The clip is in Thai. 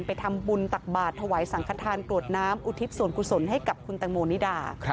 ไปทำบุญตักบาทถวายสังขทานกรวดน้ำอุทิศส่วนกุศลให้กับคุณแตงโมนิดา